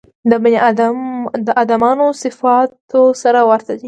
د بني ادمانو صفاتو سره ورته دي.